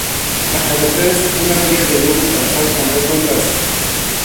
La carretera es una vía de doble calzada con rotondas.